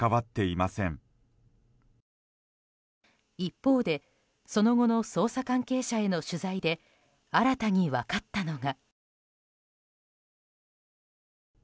一方でその後の捜査関係者への取材で新たに分かったのが。